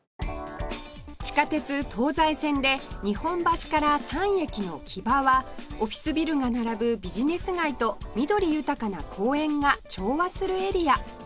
地下鉄東西線で日本橋から３駅の木場はオフィスビルが並ぶビジネス街と緑豊かな公園が調和するエリア